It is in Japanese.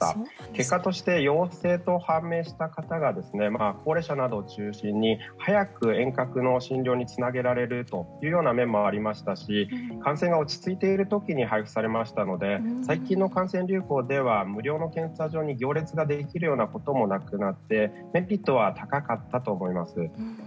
結果として陽性と判明した方が高齢者などを中心に早く遠隔の診療につなげられるというような面もありましたし感染が落ち着いている時に配布されましたので最近の感染流行では無料の検査所に行列ができるようなこともなくなってメリットは高かったと思います。